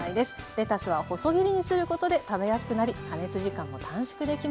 レタスは細切りにすることで食べやすくなり加熱時間も短縮できます。